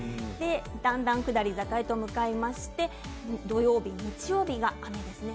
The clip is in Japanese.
だんだん下り坂に向かって土曜日、日曜日は雨ですね。